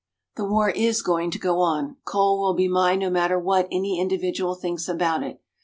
The war is going to go on. Coal will be mined no matter what any individual thinks about it.